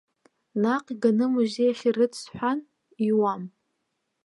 Наҟ иганы амузеи ахь ирыҭ сҳәан, иуам.